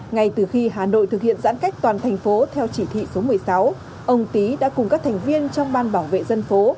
ngay từ khi hà nội thực hiện giãn cách toàn thành phố theo chỉ thị số một mươi sáu ông tý đã cùng các thành viên trong ban bảo vệ dân phố